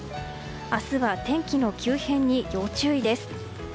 明日は天気の急変に要注意です。